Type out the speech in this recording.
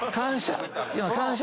感謝！